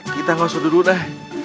kita nggak usah duduk deh